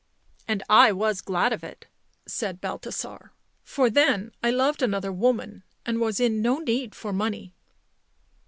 " And I was glad of it," said Balthasar. ''For then I loved another woman and was in no need for money."